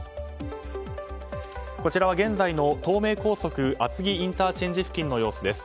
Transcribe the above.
こちらは現在の東名高速厚木ＩＣ付近の様子です。